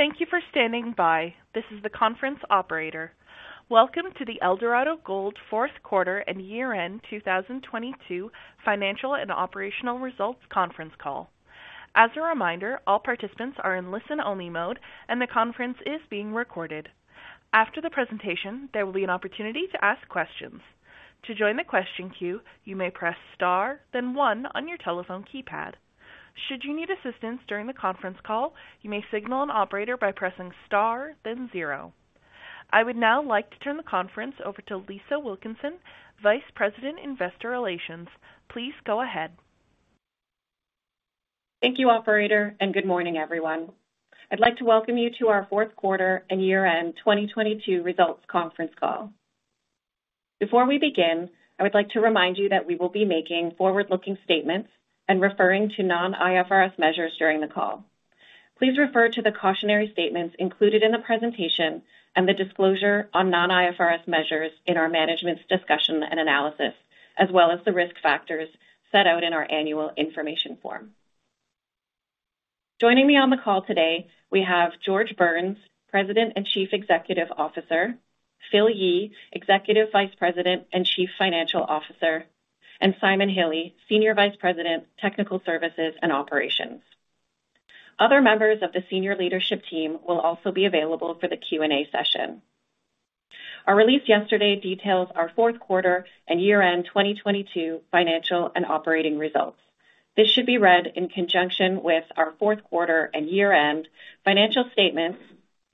Thank you for standing by. This is the conference operator. Welcome to the Eldorado Gold fourth quarter and year-end 2022 Financial and Operational Results conference call. As a reminder, all participants are in listen-only mode, and the conference is being recorded. After the presentation, there will be an opportunity to ask questions. To join the question queue, you may press star, then one on your telephone keypad. Should you need assistance during the conference call, you may signal an operator by pressing star, then zero. I would now like to turn the conference over to Lisa Wilkinson, Vice President, Investor Relations. Please go ahead. Thank you, operator. Good morning, everyone. I'd like to welcome you to our fourth quarter and year-end 2022 results conference call. Before we begin, I would like to remind you that we will be making forward-looking statements and referring to non-IFRS measures during the call. Please refer to the cautionary statements included in the presentation and the disclosure on non-IFRS measures in our management's discussion and analysis, as well as the risk factors set out in our Annual Information Form. Joining me on the call today, we have George Burns, President and Chief Executive Officer, Philip Yee, Executive Vice President and Chief Financial Officer, and Simon Hille, Senior Vice President, Technical Services and Operations. Other members of the senior leadership team will also be available for the Q&A session. Our release yesterday details our fourth quarter and year-end 2022 financial and operating results. This should be read in conjunction with our fourth quarter and year-end financial statements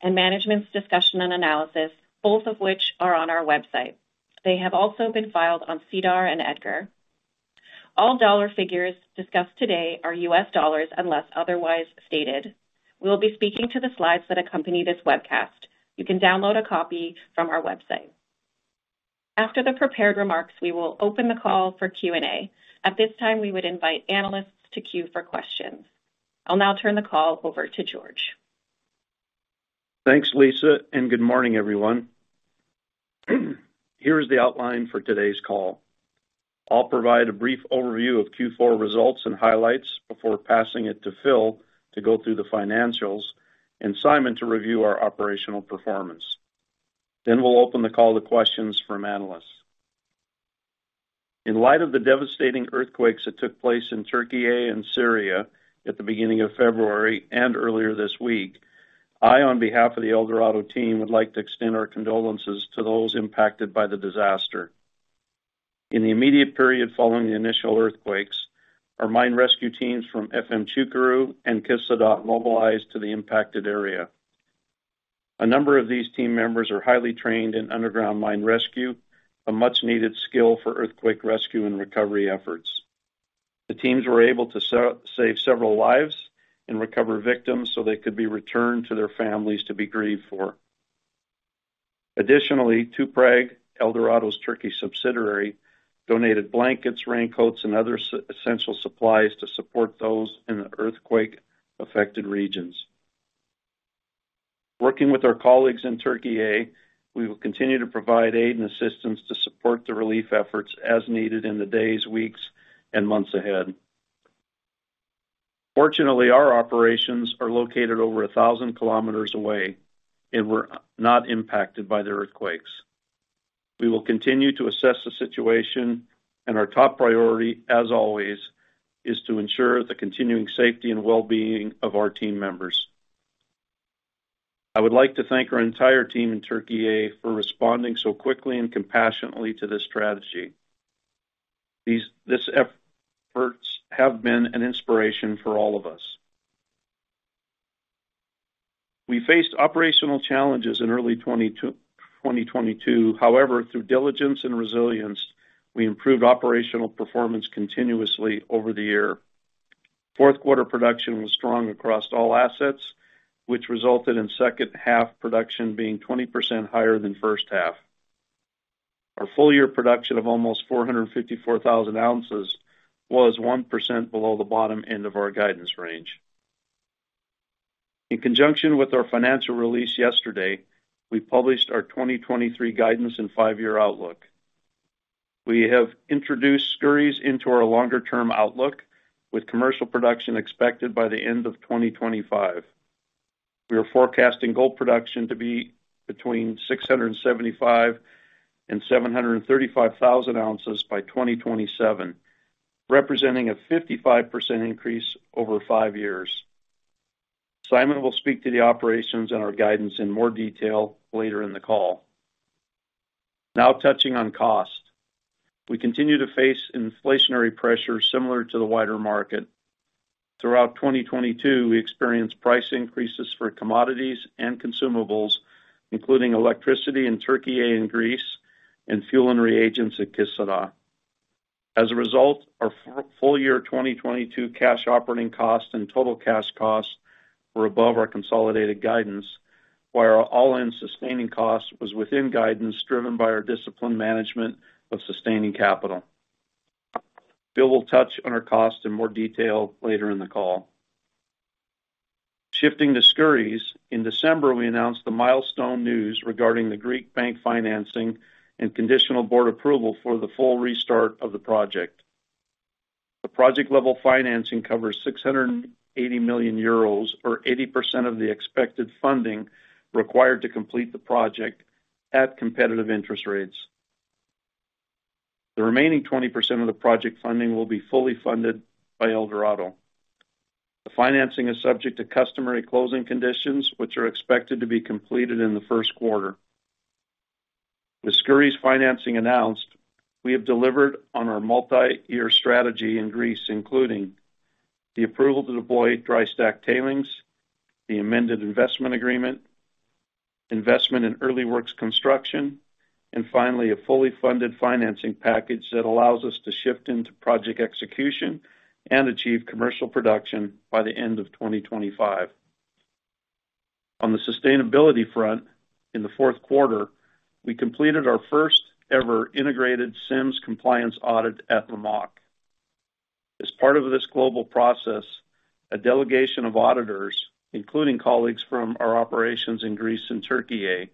and management's discussion and analysis, both of which are on our website. They have also been filed on SEDAR and EDGAR. All dollar figures discussed today are US dollars unless otherwise stated. We'll be speaking to the slides that accompany this webcast. You can download a copy from our website. After the prepared remarks, we will open the call for Q&A. At this time, we would invite analysts to queue for questions. I'll now turn the call over to George. Thanks, Lisa. Good morning, everyone. Here is the outline for today's call. I'll provide a brief overview of Q4 results and highlights before passing it to Phil to go through the financials and Simon to review our operational performance. We'll open the call to questions from analysts. In light of the devastating earthquakes that took place in Türkiye and Syria at the beginning of February and earlier this week, I, on behalf of the Eldorado team, would like to extend our condolences to those impacted by the disaster. In the immediate period following the initial earthquakes, our mine rescue teams from Efemçukuru and Kışladağ mobilized to the impacted area. A number of these team members are highly trained in underground mine rescue, a much-needed skill for earthquake rescue and recovery efforts. The teams were able to save several lives and recover victims so they could be returned to their families to be grieved for. Tuprag, Eldorado's Türkiye subsidiary, donated blankets, raincoats, and other essential supplies to support those in the earthquake-affected regions. Working with our colleagues in Türkiye, we will continue to provide aid and assistance to support the relief efforts as needed in the days, weeks, and months ahead. Fortunately, our operations are located over 1,000 km away, we're not impacted by the earthquakes. We will continue to assess the situation, our top priority, as always, is to ensure the continuing safety and well-being of our team members. I would like to thank our entire team in Türkiye for responding so quickly and compassionately to this tragedy. These efforts have been an inspiration for all of us. We faced operational challenges in early 2022. However, through diligence and resilience, we improved operational performance continuously over the year. Fourth quarter production was strong across all assets, which resulted in second half production being 20% higher than first half. Our full year production of almost 454,000 ounces was 1% below the bottom end of our guidance range. In conjunction with our financial release yesterday, we published our 2023 guidance and five-year outlook. We have introduced Skouries into our longer-term outlook, with commercial production expected by the end of 2025. We are forecasting gold production to be between 675,000 and 735,000 ounces by 2027, representing a 55% increase over five years. Simon will speak to the operations and our guidance in more detail later in the call. Touching on cost. We continue to face inflationary pressures similar to the wider market. Throughout 2022, we experienced price increases for commodities and consumables, including electricity in Türkiye and Greece and fuel and reagents at Kışladağ. Our full year 2022 cash operating costs and total cash costs were above our consolidated guidance, while our all-in sustaining cost was within guidance driven by our disciplined management of sustaining capital. Phil will touch on our cost in more detail later in the call. Shifting to Skouries, in December, we announced the milestone news regarding the Greek bank financing and conditional board approval for the full restart of the project. The project level financing covers 680 million euros or 80% of the expected funding required to complete the project at competitive interest rates. The remaining 20% of the project funding will be fully funded by Eldorado. The financing is subject to customary closing conditions, which are expected to be completed in the first quarter. With Skouries financing announced, we have delivered on our multi-year strategy in Greece, including the approval to deploy dry stack tailings, the amended investment agreement, investment in early works construction, and finally, a fully funded financing package that allows us to shift into project execution and achieve commercial production by the end of 2025. On the sustainability front, in the fourth quarter, we completed our first ever integrated SIMS compliance audit at Lamaque. As part of this global process, a delegation of auditors, including colleagues from our operations in Greece and Türkiye,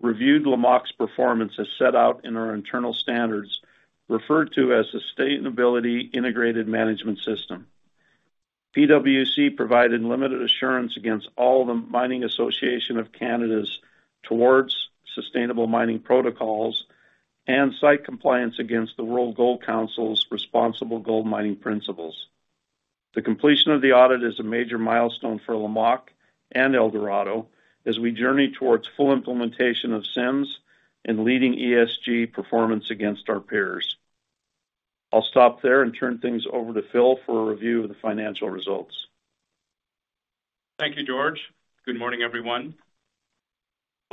reviewed Lamaque's performance as set out in our internal standards, referred to as the Sustainability Integrated Management System. PwC provided limited assurance against all the PwC and site compliance against the World Gold Council's Responsible Gold Mining Principles. The completion of the audit is a major milestone for Lamaque and Eldorado as we journey towards full implementation of SIMS and leading ESG performance against our peers. I'll stop there and turn things over to Phil for a review of the financial results. Thank you, George. Good morning, everyone.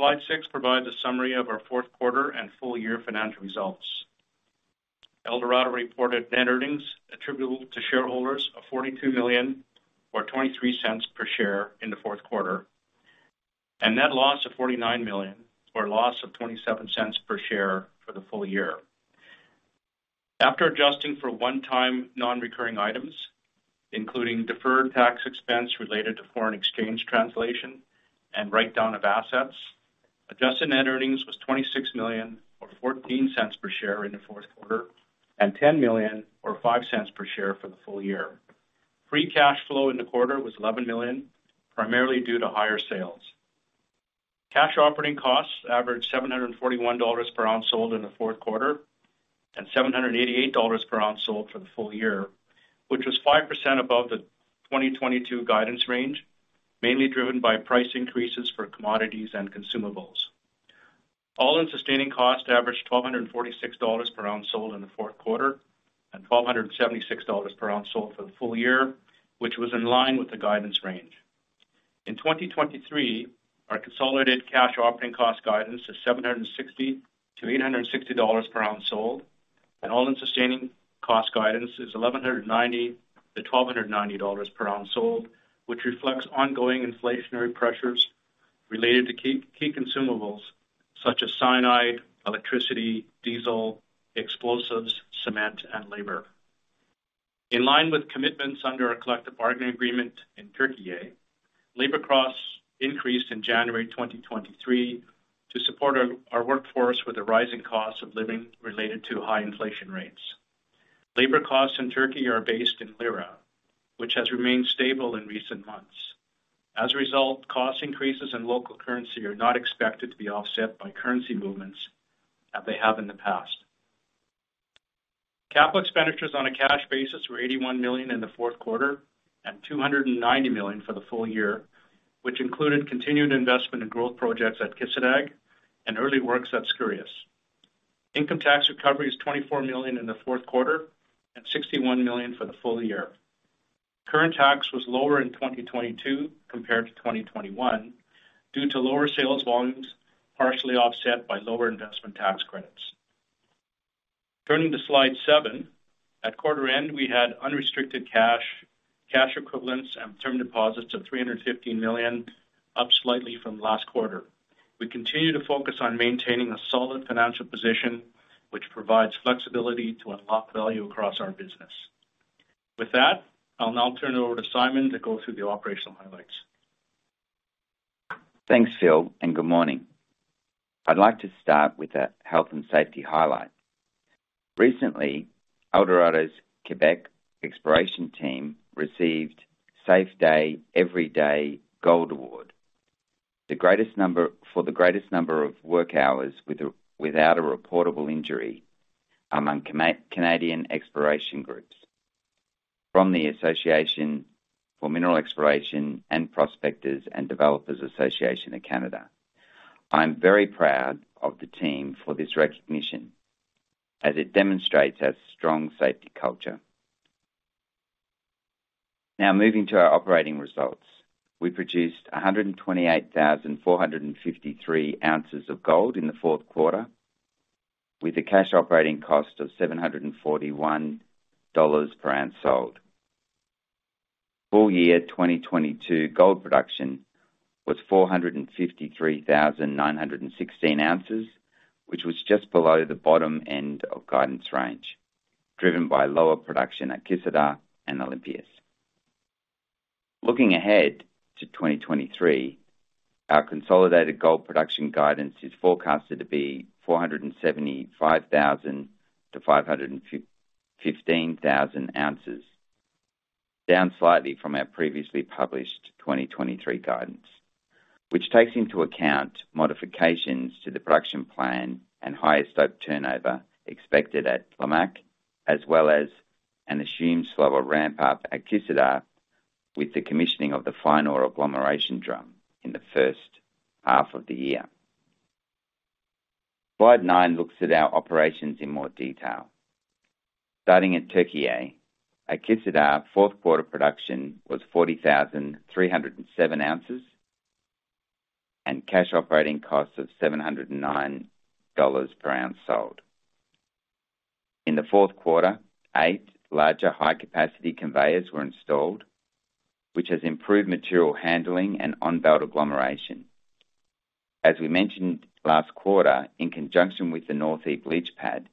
Slide 6 provides a summary of our fourth quarter and full year financial results. Eldorado reported net earnings attributable to shareholders of $42 million or $0.23 per share in the fourth quarter, and net loss of $49 million or loss of $0.27 per share for the full year. After adjusting for one-time non-recurring items, including deferred tax expense related to foreign exchange translation and write-down of assets, adjusted net earnings was $26 million or $0.14 per share in the fourth quarter, and $10 million or $0.05 per share for the full year. Free cash flow in the quarter was $11 million, primarily due to higher sales. Cash operating costs averaged $741 per ounce sold in the fourth quarter, and $780 per ounce sold for the full year, which was 5% above the 2022 guidance range, mainly driven by price increases for commodities and consumables. All-in sustaining costs averaged $1,246 per ounce sold in the fourth quarter, and $1,276 per ounce sold for the full year, which was in line with the guidance range. In 2023, our consolidated cash operating costs guidance is $760-$860 per ounce sold, and all-in sustaining costs guidance is $1,190-$1,290 per ounce sold, which reflects ongoing inflationary pressures related to key consumables such as cyanide, electricity, diesel, explosives, cement, and labor. In line with commitments under our collective bargaining agreement in Türkiye, labor costs increased in January 2023 to support our workforce with the rising cost of living related to high inflation rates. Labor costs in Türkiye are based in lira, which has remained stable in recent months. As a result, cost increases in local currency are not expected to be offset by currency movements as they have in the past. Capital expenditures on a cash basis were $81 million in the fourth quarter and $290 million for the full year, which included continued investment in growth projects at Kışladağ and early works at Skouries. Income tax recovery is $24 million in the fourth quarter and $61 million for the full year. Current tax was lower in 2022 compared to 2021 due to lower sales volumes, partially offset by lower investment tax credits. Turning to slide 7. At quarter end, we had unrestricted cash equivalents, and term deposits of $350 million, up slightly from last quarter. We continue to focus on maintaining a solid financial position, which provides flexibility to unlock value across our business. With that, I'll now turn it over to Simon to go through the operational highlights. Thanks, Phil, and good morning. I'd like to start with a health and safety highlight. Recently, Eldorado's Quebec exploration team received Safe Day Every Day Gold Award. For the greatest number of work hours without a reportable injury among Canadian exploration groups from the Association for Mineral Exploration and Prospectors & Developers Association of Canada. I'm very proud of the team for this recognition as it demonstrates our strong safety culture. Now moving to our operating results. We produced 128,453 ounces of gold in the fourth quarter with a cash operating cost of $741 per ounce sold. Full year 2022 gold production was 453,916 ounces, which was just below the bottom end of guidance range, driven by lower production at Kisladag and Olympias. Looking ahead to 2023, our consolidated gold production guidance is forecasted to be 475,000-515,000 ounces. Down slightly from our previously published 2023 guidance. Which takes into account modifications to the production plan and higher stope turnover expected at Lamaque, as well as an assumed slower ramp-up at Kışladağ with the commissioning of the fine ore agglomeration drum in the first half of the year. Slide 9 looks at our operations in more detail. Starting at Türkiye, at Kışladağ, fourth quarter production was 40,307 ounces and cash operating costs of $709 per ounce sold. In the fourth quarter, eight larger high-capacity conveyors were installed, which has improved material handling and on-belt agglomeration. As we mentioned last quarter, in conjunction with the North East Leach pad,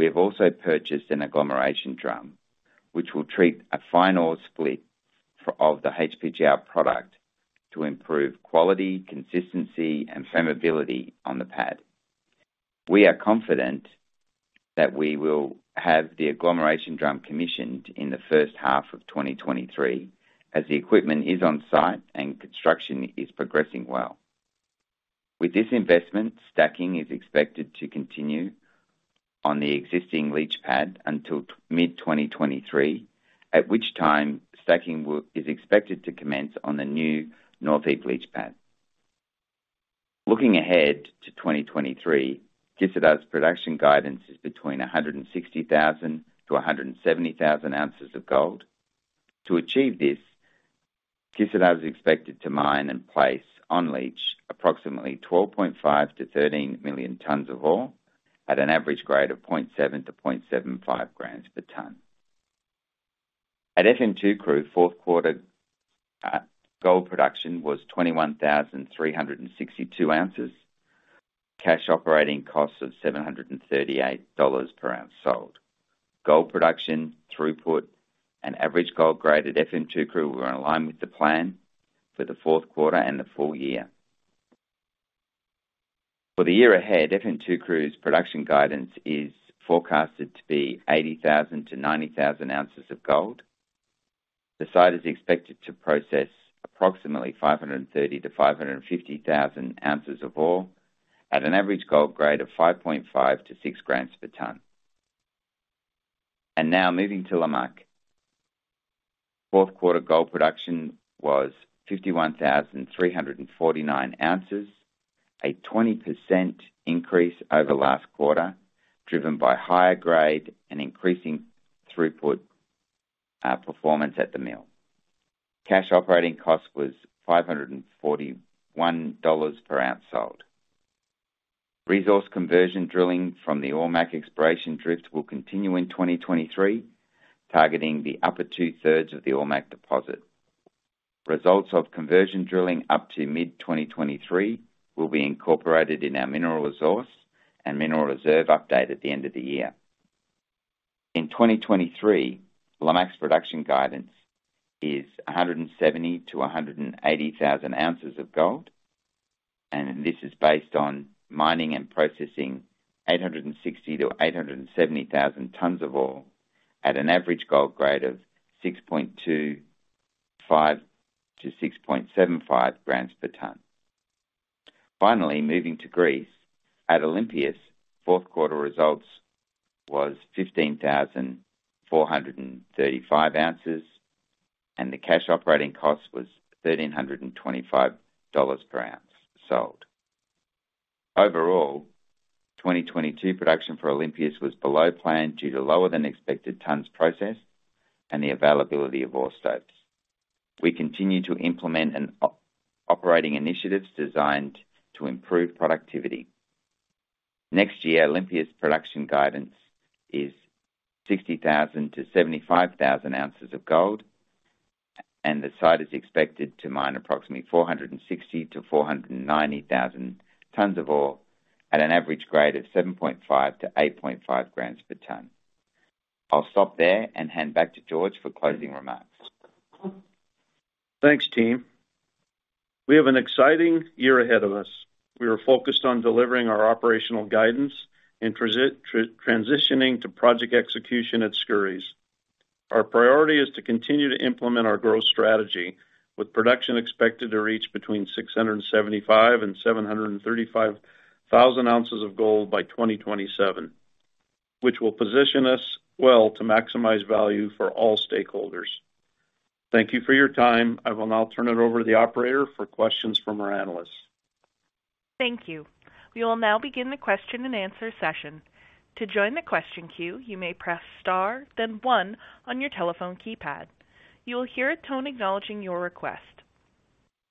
we have also purchased an agglomeration drum, which will treat a fine ore split of the HPGR product to improve quality, consistency, and friability on the pad. We are confident that we will have the agglomeration drum commissioned in the first half of 2023, as the equipment is on-site and construction is progressing well. With this investment, stacking is expected to continue on the existing leach pad until mid-2023, at which time stacking is expected to commence on the new North East Leach pad. Looking ahead to 2023, Kışladağ's production guidance is between 160,000-170,000 ounces of gold. To achieve this, Kışladağ is expected to mine and place on leach approximately 12.5-13 million tons of ore at an average grade of 0.7-0.75 grams per ton. At Efemçukuru, fourth quarter gold production was 21,362 ounces. Cash operating costs of $738 per ounce sold. Gold production throughput, an average gold grade at Efemçukuru were in line with the plan for the fourth quarter and the full year. For the year ahead, Efemçukuru's production guidance is forecasted to be 80,000-90,000 ounces of gold. The site is expected to process approximately 530,000-550,000 ounces of ore at an average gold grade of 5.5-6 grams per ton. Now moving to Lamaque. Fourth quarter gold production was 51,349 ounces, a 20% increase over last quarter, driven by higher grade and increasing throughput performance at the mill. Cash operating cost was $541 per ounce sold. Resource conversion drilling from the Ormaque exploration drift will continue in 2023, targeting the upper two-thirds of the Ormaque deposit. Results of conversion drilling up to mid-2023 will be incorporated in our mineral resource and mineral reserve update at the end of the year. In 2023, Lamaque's production guidance is 170,000-180,000 ounces of gold, this is based on mining and processing 860,000-870,000 tons of ore at an average gold grade of 6.25-6.75 grams per ton. Moving to Greece. At Olympias, fourth quarter results was 15,435 ounces, and the cash operating cost was $1,325 per ounce sold. Overall, 2022 production for Olympias was below plan due to lower than expected tons processed and the availability of ore stopes. We continue to implement an operating initiatives designed to improve productivity. Next year, Olympias production guidance is 60,000-75,000 ounces of gold, and the site is expected to mine approximately 460,000-490,000 tons of ore at an average grade of 7.5-8.5 grams per ton. I'll stop there and hand back to George for closing remarks. Thanks, team. We have an exciting year ahead of us. We are focused on delivering our operational guidance and transitioning to project execution at Skouries. Our priority is to continue to implement our growth strategy, with production expected to reach between 675 and 735,000 ounces of gold by 2027, which will position us well to maximize value for all stakeholders. Thank you for your time. I will now turn it over to the operator for questions from our analysts. Thank you. We will now begin the question and answer session. To join the question queue, you may press star, then one on your telephone keypad. You will hear a tone acknowledging your request.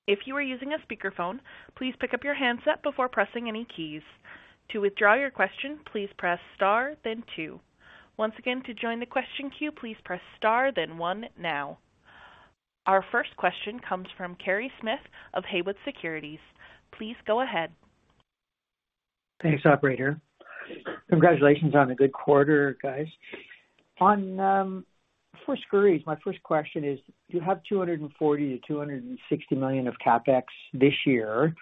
If you are using a speakerphone, please pick up your handset before pressing any keys. To withdraw your question, please press star then two. Once again, to join the question queue, please press star then one now. Our first question comes from Kerry Smith of Haywood Securities. Please go ahead. Thanks operator. Congratulations on a good quarter, guys. For Skouries, my first question is you have $240 million-$260 million of CapEx this year.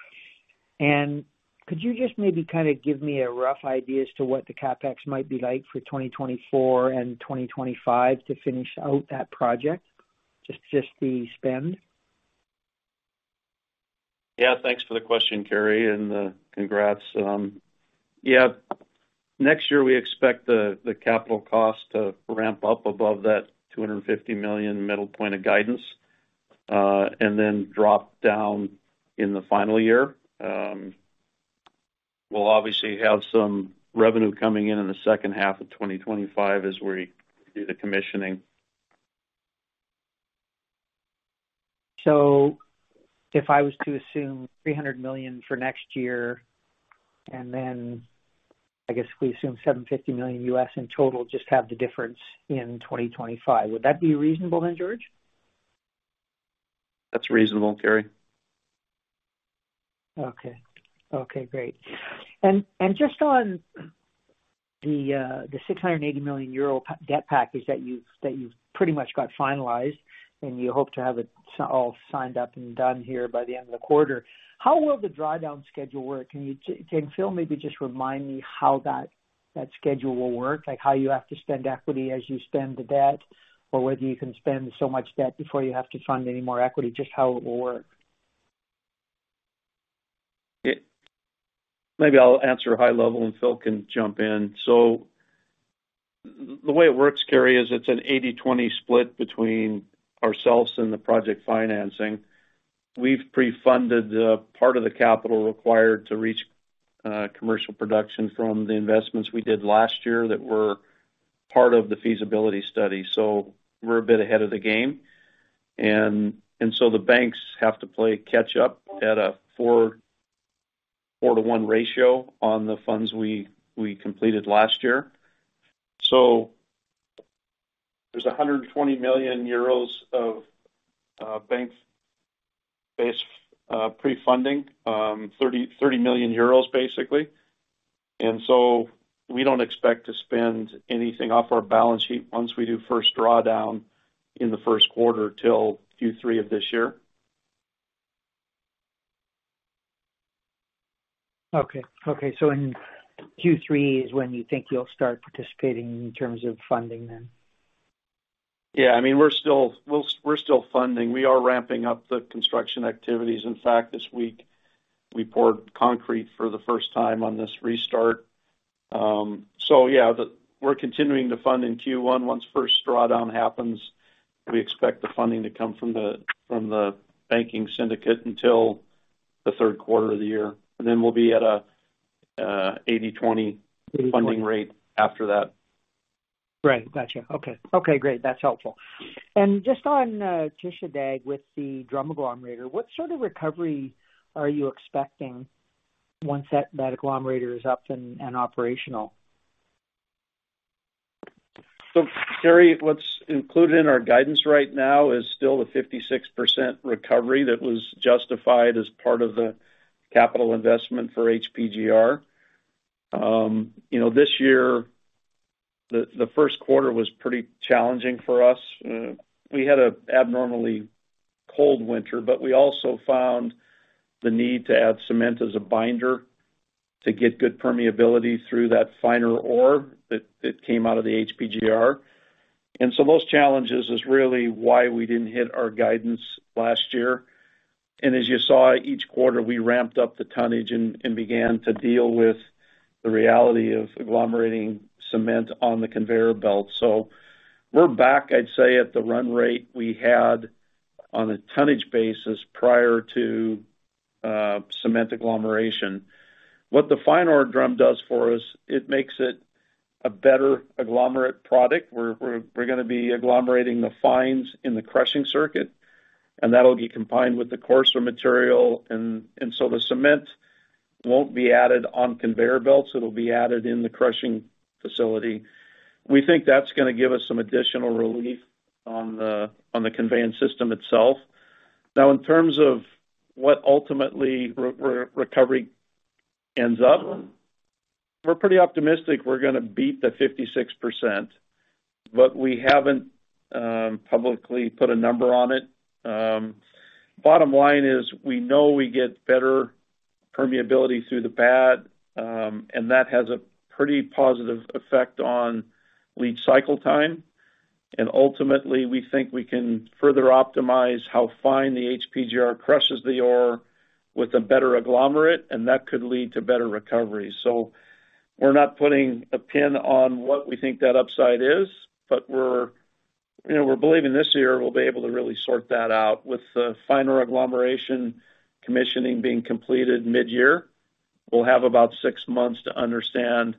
Could you just maybe kind of give me a rough idea as to what the CapEx might be like for 2024 and 2025 to finish out that project? Just the spend. Thanks for the question, Kerry, and congrats. Next year, we expect the capital cost to ramp up above that $250 million middle point of guidance, and then drop down in the final year. We'll obviously have some revenue coming in in the second half of 2025 as we do the commissioning. If I was to assume $300 million for next year, and then I guess we assume $750 million in total, just have the difference in 2025. Would that be reasonable then, George? That's reasonable, Kerry. Okay. Okay, great. Just on the 680 million euro debt package that you've pretty much got finalized, and you hope to have it all signed up and done here by the end of the quarter. How will the drawdown schedule work? Can Phil maybe just remind me how that schedule will work? Like, how you have to spend equity as you spend the debt, or whether you can spend so much debt before you have to fund any more equity, just how it will work. Maybe I'll answer high level and Phil can jump in. The way it works, Kerry, is it's an 80-20 split between ourselves and the project financing. We've pre-funded the part of the capital required to reach commercial production from the investments we did last year that were part of the feasibility study. We're a bit ahead of the game. The banks have to play catch up at a 4-to-1 ratio on the funds we completed last year. There's 120 million euros of bank-based pre-funding, 30 million euros, basically. We don't expect to spend anything off our balance sheet once we do first drawdown in the first quarter till Q3 of this year. Okay. Okay. In Q3 is when you think you'll start participating in terms of funding then? Yeah. I mean, we're still funding. We are ramping up the construction activities. In fact, this week, we poured concrete for the first time on this restart. We're continuing to fund in Q1. Once first drawdown happens, we expect the funding to come from the banking syndicate until the third quarter of the year. We'll be at a 80-20 funding rate after that. Right. Gotcha. Okay. Okay, great. That's helpful. Just on Kışladağ with the drum agglomerator, what sort of recovery are you expecting once that agglomerator is up and operational? Kerry, what's included in our guidance right now is still the 56% recovery that was justified as part of the capital investment for HPGR. You know, this year, the first quarter was pretty challenging for us. We had an abnormally cold winter, but we also found the need to add cement as a binder to get good permeability through that finer ore that came out of the HPGR. Those challenges is really why we didn't hit our guidance last year. As you saw, each quarter, we ramped up the tonnage and began to deal with the reality of agglomerating cement on the conveyor belt. We're back, I'd say, at the run rate we had on a tonnage basis prior to cement agglomeration. What the fine ore drum does for us, it makes it a better agglomerate product. We're gonna be agglomerating the fines in the crushing circuit. That'll be combined with the coarser material. So the cement won't be added on conveyor belts. It'll be added in the crushing facility. We think that's gonna give us some additional relief on the conveyance system itself. Now, in terms of what ultimately recovery ends up, we're pretty optimistic we're gonna beat the 56%, but we haven't publicly put a number on it. Bottom line is we know we get better permeability through the pad. That has a pretty positive effect on leach cycle time. Ultimately, we think we can further optimize how fine the HPGR crushes the ore with a better agglomerate. That could lead to better recovery. We're not putting a pin on what we think that upside is, but we're, you know, we're believing this year we'll be able to really sort that out. With the finer agglomeration commissioning being completed midyear, we'll have about six months to understand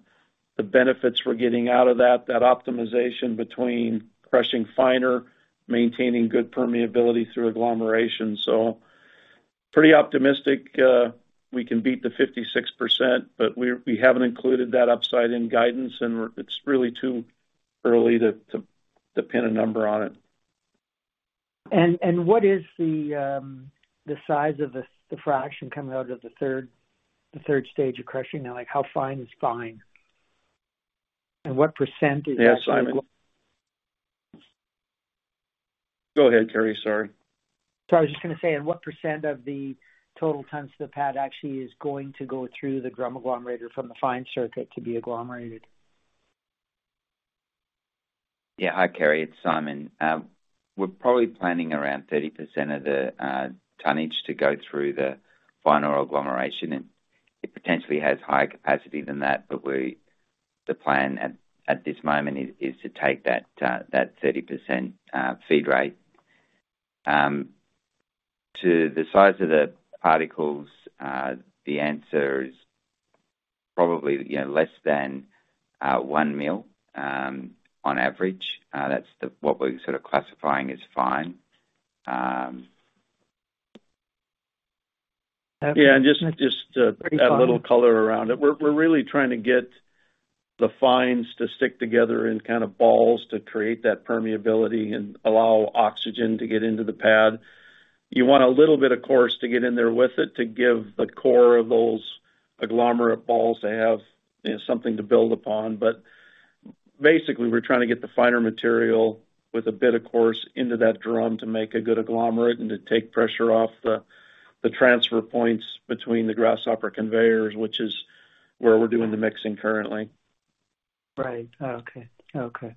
the benefits we're getting out of that optimization between crushing finer, maintaining good permeability through agglomeration. Pretty optimistic, we can beat the 56%, but we haven't included that upside in guidance, and it's really too early to pin a number on it. What is the size of the fraction coming out of the third stage of crushing? Now like how fine is fine? What % is that? Yeah, Simon. Go ahead, Kerry. Sorry. I was just going to say, what % of the total tons to the pad actually is going to go through the drum agglomerator from the fine circuit to be agglomerated? Yeah. Hi, Kerry, it's Simon. We're probably planning around 30% of the tonnage to go through the final agglomeration. It potentially has higher capacity than that. The plan at this moment is to take that 30% feed rate. To the size of the particles, the answer is probably, you know, less than 1 mil on average. That's what we're sort of classifying as fine. Okay. Yeah. Just a little color around it. We're really trying to get the fines to stick together in kind of balls to create that permeability and allow oxygen to get into the pad. You want a little bit, of course, to get in there with it to give the core of those agglomerate balls to have, you know, something to build upon. Basically, we're trying to get the finer material with a bit, of course, into that drum to make a good agglomerate and to take pressure off the transfer points between the grasshopper conveyors, which is where we're doing the mixing currently. Right. Okay. Okay.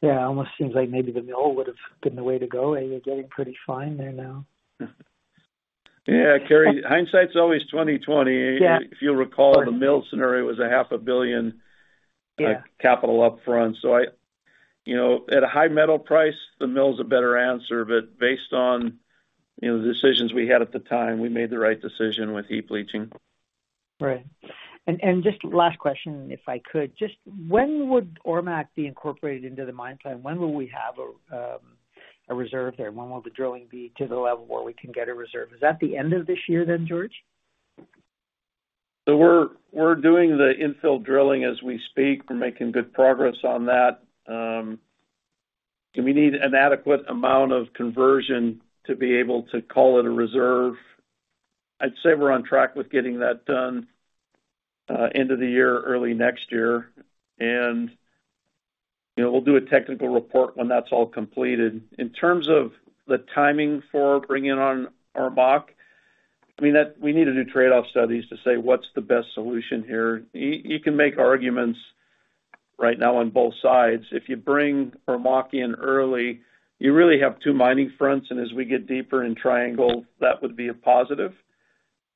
Yeah. Almost seems like maybe the mill would've been the way to go. You're getting pretty fine there now. Yeah, Kerry, hindsight's always 20/20. Yeah. If you recall, the mill scenario was a half a billion. Yeah. Capital up front. I, you know, at a high metal price, the mill's a better answer. Based on, you know, the decisions we had at the time, we made the right decision with heap leaching. Right. Just last question, if I could. Just, when would Ormaque be incorporated into the mine plan? When will we have a reserve there? When will the drilling be to the level where we can get a reserve? Is that the end of this year then, George? We're doing the infill drilling as we speak. We're making good progress on that. Do we need an adequate amount of conversion to be able to call it a reserve? I'd say we're on track with getting that done, end of the year, early next year. You know, we'll do a technical report when that's all completed. In terms of the timing for bringing on Ormaque, I mean, that we need to do trade-off studies to say, what's the best solution here? You can make arguments right now on both sides. If you bring Ormaque in early, you really have two mining fronts, and as we get deeper in Triangle, that would be a positive.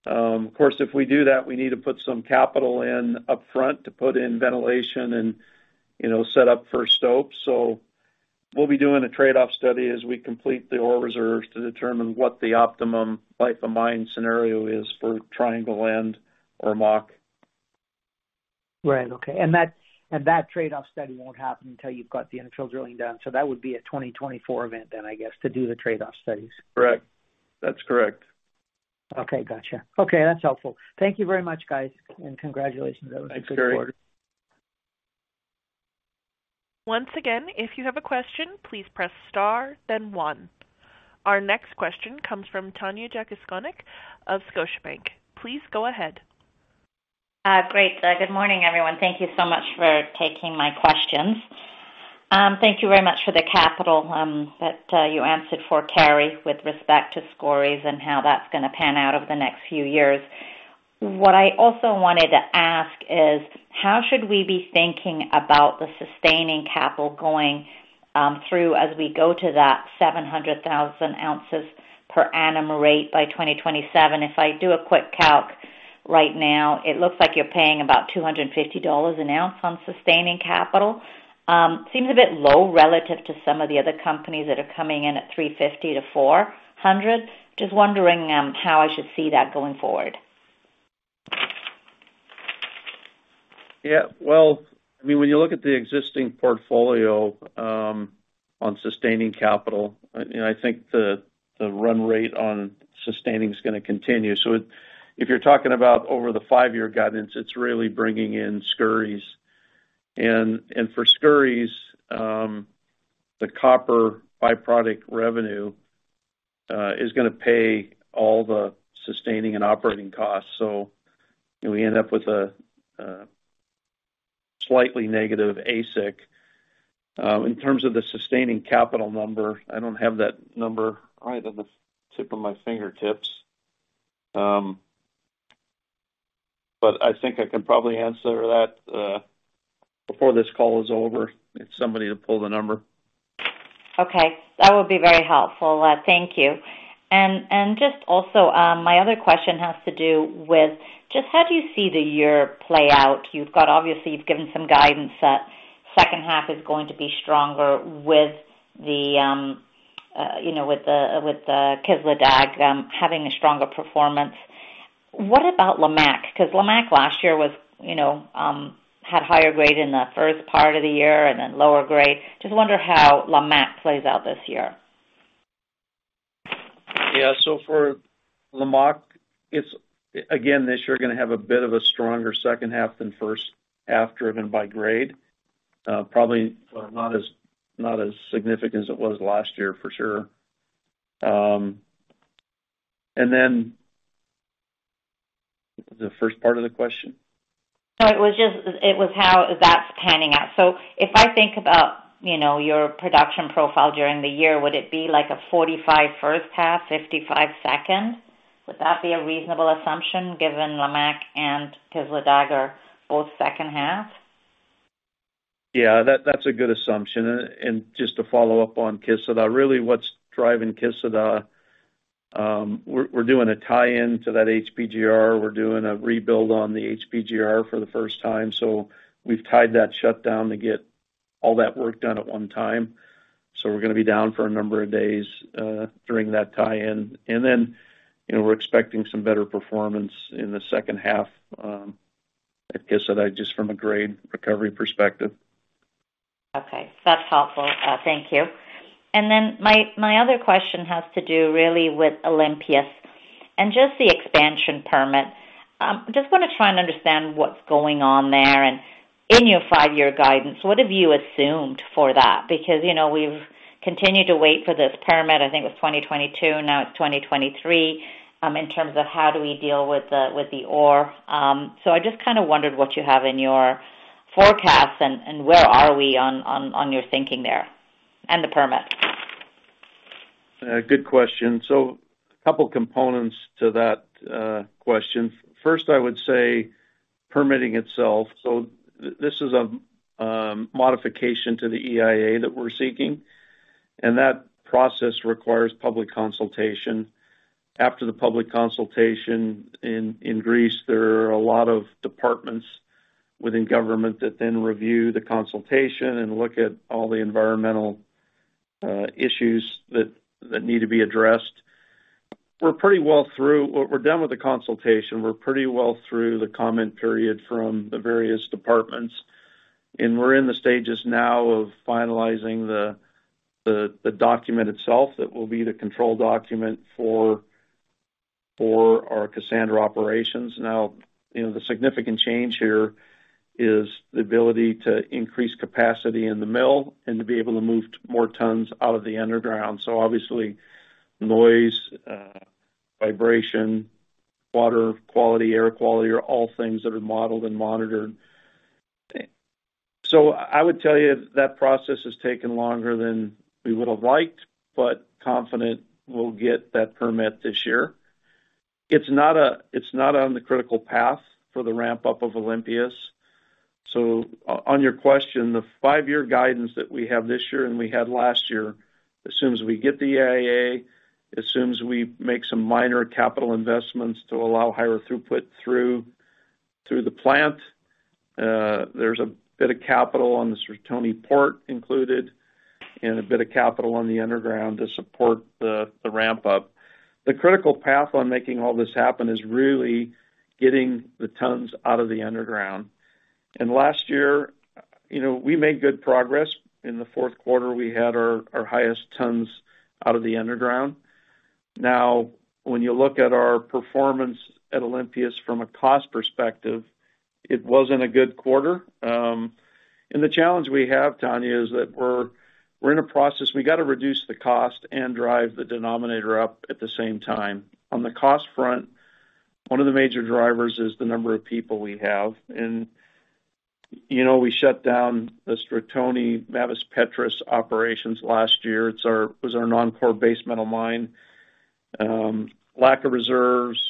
Of course, if we do that, we need to put some capital in upfront to put in ventilation and, you know, set up for stopes. We'll be doing a trade-off study as we complete the ore reserves to determine what the optimum life of mine scenario is for Triangle and Ormaque. Right. Okay. That trade-off study won't happen until you've got the infill drilling done. That would be a 2024 event then, I guess, to do the trade-off studies. Correct. That's correct. Okay. Gotcha. Okay. That's helpful. Thank you very much, guys. Congratulations. That was a good quarter. Thanks, Kerry. Once again, if you have a question, please press star then one. Our next question comes from Tanya Jakusconek of Scotiabank. Please go ahead. Great. Good morning, everyone. Thank you so much for taking my questions. Thank you very much for the capital that you answered for Kerry with respect to Skouries and how that's gonna pan out over the next few years. What I also wanted to ask is, how should we be thinking about the sustaining capital going through as we go to that 700,000 ounces per annum rate by 2027? If I do a quick calc right now, it looks like you're paying about $250 an ounce on sustaining capital. Seems a bit low relative to some of the other companies that are coming in at $350-$400. Just wondering how I should see that going forward. Well, I mean, when you look at the existing portfolio, on sustaining capital, I think the run rate on sustaining is gonna continue. If you're talking about over the five-year guidance, it's really bringing in Skouries. For Skouries, the copper byproduct revenue is gonna pay all the sustaining and operating costs. You know, we end up with a slightly negative AISC. In terms of the sustaining capital number, I don't have that number right on the tip of my fingertips. I think I can probably answer that before this call is over. Get somebody to pull the number. Okay. That would be very helpful. Thank you. Just also, my other question has to do with just how do you see the year play out? Obviously, you've given some guidance that second half is going to be stronger with the, you know, with the Kışladağ, having a stronger performance. What about Lamaque? 'Cause Lamaque last year was, you know, had higher grade in the first part of the year and then lower grade. Just wonder how Lamaque plays out this year. Yeah. For Lamaque, it's again, this year gonna have a bit of a stronger second half than first half driven by grade. Probably, well, not as significant as it was last year for sure. The first part of the question? No, it was how that's panning out. If I think about, you know, your production profile during the year, would it be like a 45% first half, 55% second? Would that be a reasonable assumption given Lamaque and Kışladağ both second half? Yeah, that's a good assumption. Just to follow up on Kisladag, really, what's driving Kisladag, we're doing a tie-in to that HPGR. We're doing a rebuild on the HPGR for the first time. We've tied that shutdown to get all that work done at one time. We're gonna be down for a number of days during that tie-in. You know, we're expecting some better performance in the second half at Kisladag just from a grade recovery perspective. Okay. That's helpful. Thank you. My other question has to do really with Olympias and just the expansion permit. Just wanna try and understand what's going on there. In your five-year guidance, what have you assumed for that? Because, you know, we've continued to wait for this permit. I think it was 2022, now it's 2023, in terms of how do we deal with the, with the ore. I just kinda wondered what you have in your forecast and where are we on, on your thinking there and the permit. Good question. A couple components to that question. First, I would say permitting itself. This is a modification to the EIA that we're seeking, and that process requires public consultation. After the public consultation in Greece, there are a lot of departments within government that then review the consultation and look at all the environmental issues that need to be addressed. We're pretty well through. We're done with the consultation. We're pretty well through the comment period from the various departments, and we're in the stages now of finalizing the document itself that will be the control document for our Kassandra operations. You know, the significant change here is the ability to increase capacity in the mill and to be able to move more tons out of the underground. Obviously, noise, vibration, water quality, air quality are all things that are modeled and monitored. I would tell you that process has taken longer than we would have liked, but confident we'll get that permit this year. It's not on the critical path for the ramp up of Olympias. On your question, the five-year guidance that we have this year and we had last year, assumes we get the AIA, assumes we make some minor capital investments to allow higher throughput through the plant. There's a bit of capital on the Stratoni port included and a bit of capital on the underground to support the ramp up. The critical path on making all this happen is really getting the tons out of the underground. Last year, you know, we made good progress. In the fourth quarter, we had our highest tons out of the underground. When you look at our performance at Olympias from a cost perspective, it wasn't a good quarter. The challenge we have, Tanya, is that we're in a process. We gotta reduce the cost and drive the denominator up at the same time. On the cost front, one of the major drivers is the number of people we have. You know, we shut down the Stratoni Mavres Petres operations last year. It was our non-core base metal mine. Lack of reserves,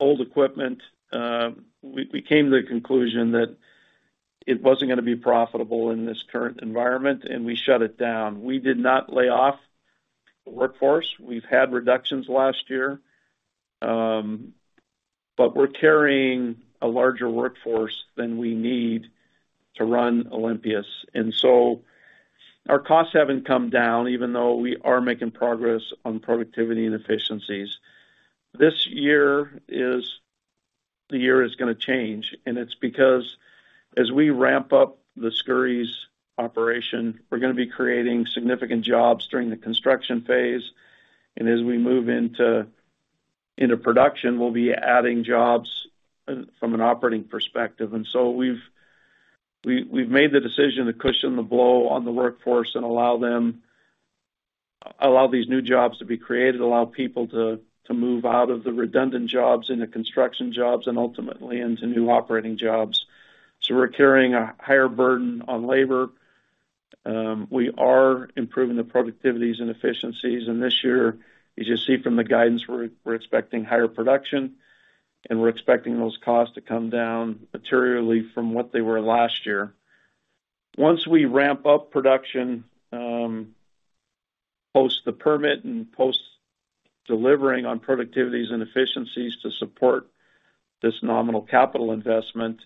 old equipment, we came to the conclusion that it wasn't gonna be profitable in this current environment, and we shut it down. We did not lay off the workforce. We've had reductions last year, but we're carrying a larger workforce than we need to run Olympias. Our costs haven't come down even though we are making progress on productivity and efficiencies. This year is the year it's gonna change. It's because as we ramp up the Skouries operation, we're gonna be creating significant jobs during the construction phase. As we move into production, we'll be adding jobs from an operating perspective. We've made the decision to cushion the blow on the workforce and allow these new jobs to be created, allow people to move out of the redundant jobs into construction jobs and ultimately into new operating jobs. We're carrying a higher burden on labor. We are improving the productivities and efficiencies. This year, as you see from the guidance, we're expecting higher production, and we're expecting those costs to come down materially from what they were last year. Once we ramp up production, post the permit and post delivering on productivities and efficiencies to support this nominal capital investment,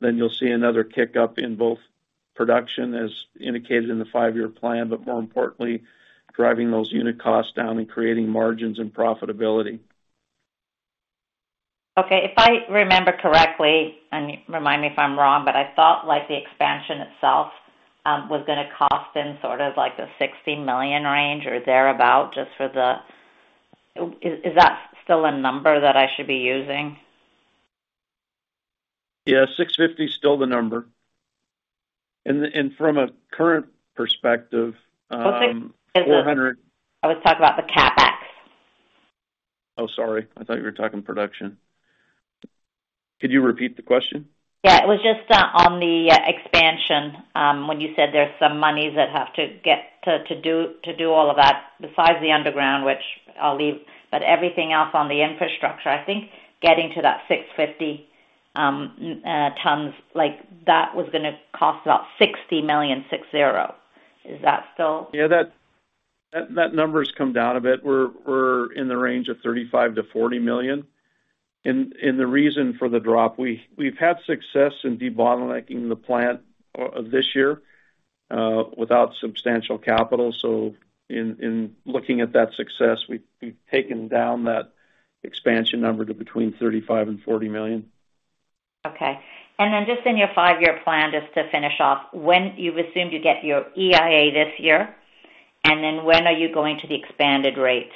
then you'll see another kick up in both production as indicated in the five-year plan, but more importantly, driving those unit costs down and creating margins and profitability. Okay. If I remember correctly, and remind me if I'm wrong, but I thought like the expansion itself was gonna cost in sort of like the $60 million range or thereabout just for the. Is that still a number that I should be using? Yeah. $650 is still the number. From a current perspective, Okay. 400- I was talking about the CapEx. Oh, sorry. I thought you were talking production. Could you repeat the question? Yeah. It was just on the expansion, when you said there's some monies that have to get to do all of that besides the underground, which I'll leave, but everything else on the infrastructure. I think getting to that 650 tons, like that was gonna cost about $60 million, six zero. Is that still? Yeah, that number's come down a bit. We're in the range of $35 million-$40 million. The reason for the drop, we've had success in debottlenecking the plant this year without substantial capital. In looking at that success, we've taken down that expansion number to between $35 million and $40 million. Okay. Just in your five-year plan, just to finish off, when you've assumed you get your EIA this year, and then when are you going to the expanded rate?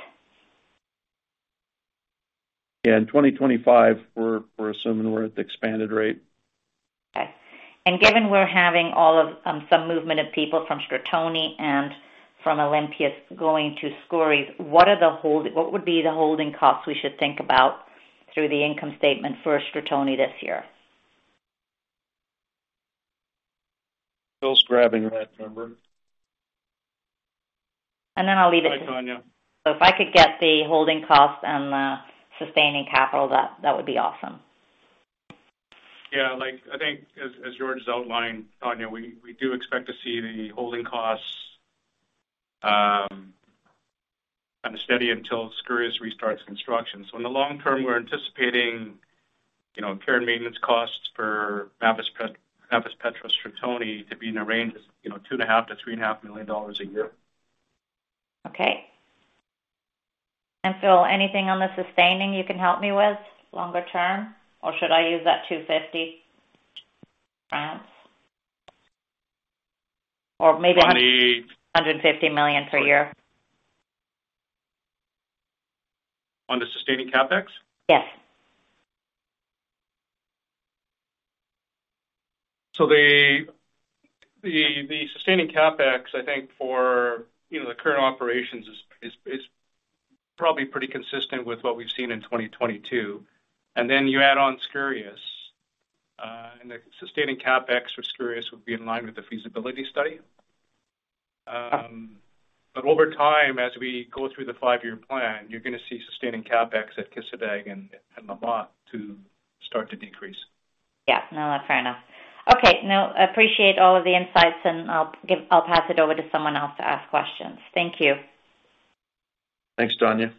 Yeah. In 2025, we're assuming we're at the expanded rate. Okay. Given we're having all of, some movement of people from Stratoni and from Olympias going to Skouries, what would be the holding costs we should think about through the income statement for Stratoni this year? Phil's grabbing that number. I'll leave. Hi, Tanya. If I could get the holding cost and the sustaining capital, that would be awesome. Yeah. Like I think as George outlined, Tanya, we do expect to see the holding costs kind of steady until Skouries restarts construction. In the long term, we're anticipating, you know, care and maintenance costs for Mavres Petres Stratoni to be in the range of, you know, two and a half to three and a half million dollars a year. Okay. Phil, anything on the sustaining you can help me with longer term, or should I use that $250 allowance? I need- $150 million per year. On the sustaining CapEx? Yes. The sustaining CapEx, I think for, you know, the current operations is probably pretty consistent with what we've seen in 2022. Then you add on Skouries, and the sustaining CapEx for Skouries would be in line with the feasibility study. Over time, as we go through the five-year plan, you're gonna see sustaining CapEx at Kışladağ and Lamaque to start to decrease. Yeah. No, fair enough. Okay. No, appreciate all of the insights, and I'll pass it over to someone else to ask questions. Thank you. Thanks, Tanya.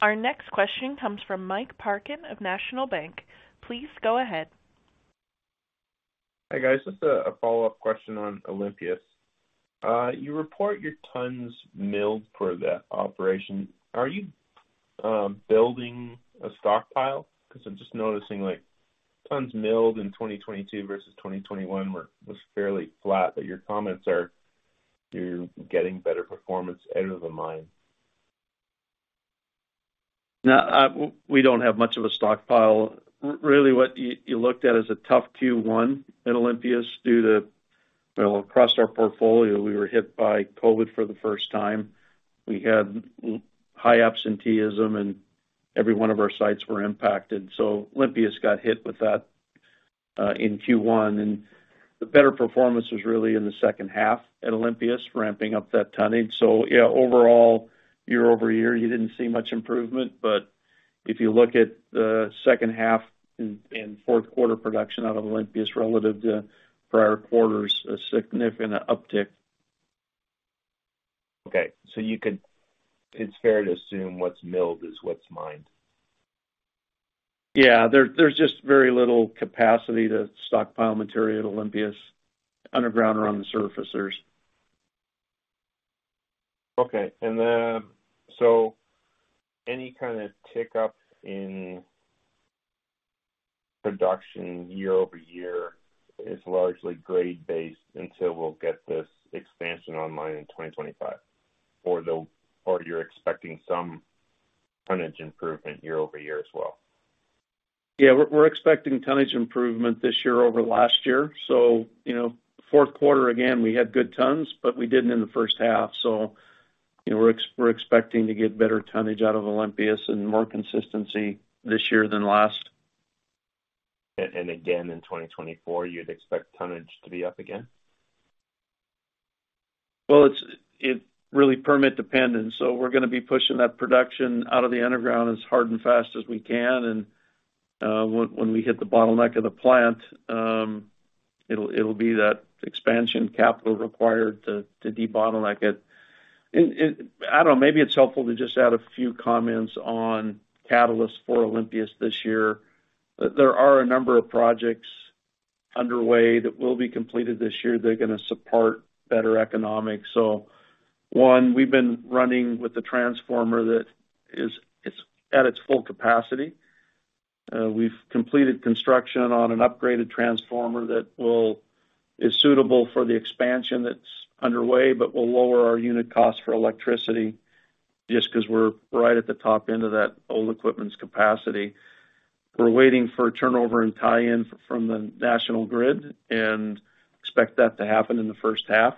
Our next question comes from Mike Parkin of National Bank. Please go ahead. Hi, guys. Just a follow-up question on Olympias. You report your tons milled for the operation. Are you building a stockpile? 'Cause I'm just noticing, like tons milled in 2022 versus 2021 was fairly flat, but your comments are you're getting better performance out of the mine. No, we don't have much of a stockpile. Really what you looked at is a tough Q1 at Olympias due to, well, across our portfolio, we were hit by COVID for the first time. We had high absenteeism, and every one of our sites were impacted. Olympias got hit with that in Q1, and the better performance was really in the second half at Olympias, ramping up that tonnage. Yeah, overall, year-over-year, you didn't see much improvement. If you look at the second half in fourth quarter production out of Olympias relative to prior quarters, a significant uptick. Okay. It's fair to assume what's milled is what's mined. Yeah. There's just very little capacity to stockpile material at Olympias, underground or on the surfacers. Okay. Any kind of tick up in production year-over-year is largely grade-based until we'll get this expansion online in 2025, or you're expecting some tonnage improvement year-over-year as well? Yeah. We're expecting tonnage improvement this year over last year. You know, fourth quarter, again, we had good tons, but we didn't in the first half. You know, we're expecting to get better tonnage out of Olympias and more consistency this year than last. Again, in 2024, you'd expect tonnage to be up again? Well, it's really permit dependent, so we're gonna be pushing that production out of the underground as hard and fast as we can. When we hit the bottleneck of the plant, it'll be that expansion capital required to debottleneck it. I don't know, maybe it's helpful to just add a few comments on catalyst for Olympias this year. There are a number of projects underway that will be completed this year. They're gonna support better economics. One, we've been running with the transformer that is at its full capacity. We've completed construction on an upgraded transformer that is suitable for the expansion that's underway, but will lower our unit cost for electricity just 'cause we're right at the top end of that old equipment's capacity. We're waiting for a turnover and tie-in from the national grid and expect that to happen in the first half.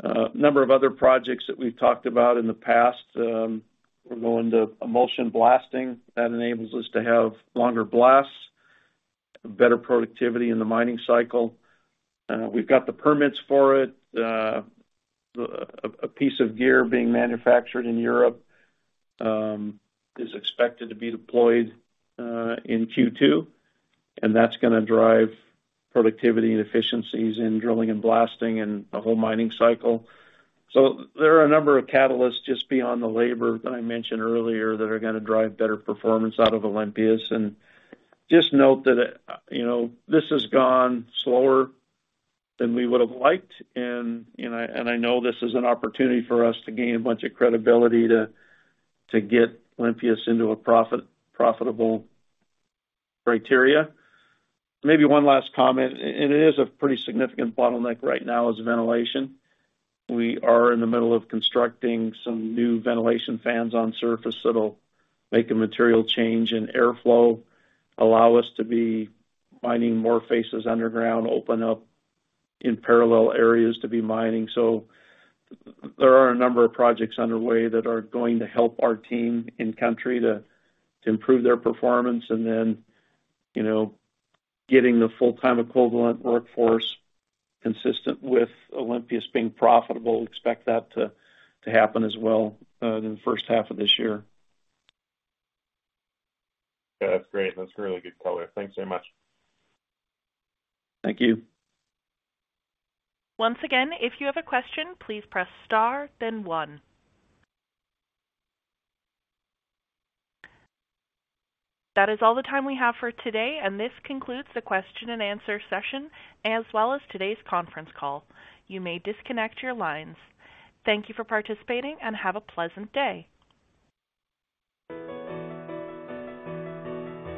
A number of other projects that we've talked about in the past, we're going to emulsion blasting that enables us to have longer blasts, better productivity in the mining cycle. We've got the permits for it. A piece of gear being manufactured in Europe is expected to be deployed in Q2, and that's gonna drive productivity and efficiencies in drilling and blasting and the whole mining cycle. There are a number of catalysts just beyond the labor that I mentioned earlier that are gonna drive better performance out of Olympias. Just note that, you know, this has gone slower than we would've liked. You know, and I know this is an opportunity for us to gain a bunch of credibility to get Olympias into a profitable criteria. Maybe one last comment, and it is a pretty significant bottleneck right now, is ventilation. We are in the middle of constructing some new ventilation fans on surface that'll make a material change in airflow, allow us to be mining more faces underground, open up in parallel areas to be mining. There are a number of projects underway that are going to help our team in country to improve their performance and then, you know, getting the full-time equivalent workforce consistent with Olympias being profitable. Expect that to happen as well in the first half of this year. That's great. That's really good color. Thanks very much. Thank you. Once again, if you have a question, please press star then one. That is all the time we have for today, and this concludes the question and answer session as well as today's conference call. You may disconnect your lines. Thank you for participating, and have a pleasant day.